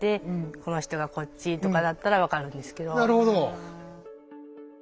なるほど。